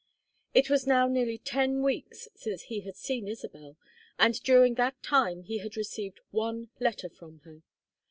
It was now nearly ten weeks since he had seen Isabel, and during that time he had received one letter from her.